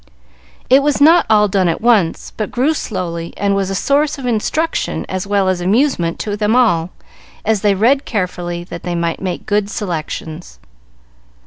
It was not all done at once, but grew slowly, and was a source of instruction as well as amusement to them all, as they read carefully, that they might make good selections.